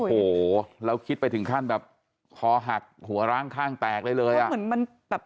โอ้โหแล้วคิดไปถึงขั้นแบบคอหักหัวร่างข้างแตกเลยเลยอะ